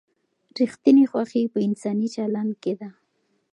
ریښتینې خوښي په انساني چلند کې ده.